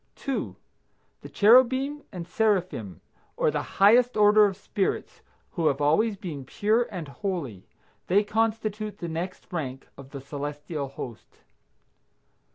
2. The cherubim and seraphim, or the highest order of spirits, who have always been pure and holy. They constitute the next rank of the celestial host.